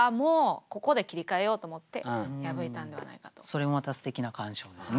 それもまたすてきな鑑賞ですね。